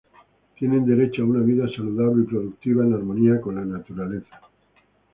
Tienen derecho a una vida saludable y productiva en armonía con la naturaleza.